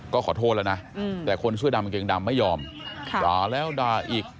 ก็ขอโทษแล้วนะแต่คนเสื้อดำกางเกงดำไม่ยอมด่าแล้วด่าอีก